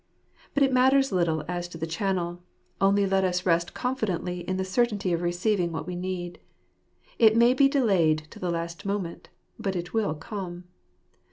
But it matters little as to the channel— only let us rest confidently in the certainty of receiving what we need. It may be delayed to the last moment; but it will come.